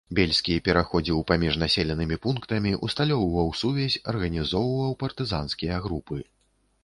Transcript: Бельскі пераходзіў паміж населенымі пунктамі, усталёўваў сувязь, арганізоўваў партызанскія групы.